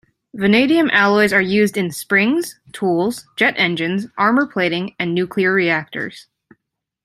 Vanadium alloys are used in springs, tools, jet engines, armor plating, and nuclear reactors.